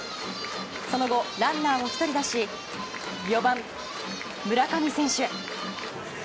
その後、ランナーを１人出し４番、村上選手。